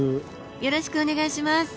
よろしくお願いします。